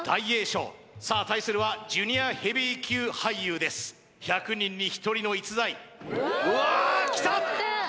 翔さあ対するはジュニアヘビー級俳優です１００人に１人の逸材うわーっきた！